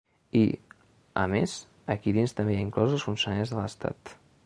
I, a més, aquí dins també hi ha inclosos els funcionaris de l’estat.